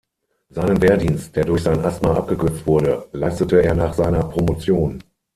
Seinen Wehrdienst, der durch sein Asthma abgekürzt wurde, leistete er nach seiner Promotion.